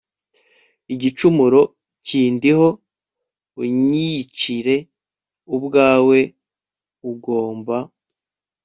igicumuro kindiho unyiyicire ubwawe ugomba